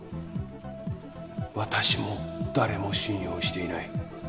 私も誰も信用していない。